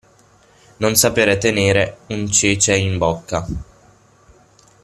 Non saper tenere un cece in bocca.